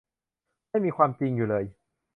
ไม่มีความจริงอยู่เลย